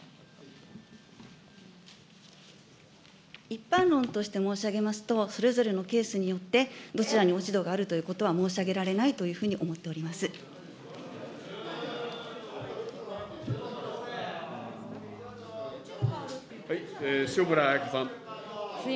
一般論として申し上げますと、それぞれのケースによって、どちらに落ち度があるということは申し上げられないというふうに思っております。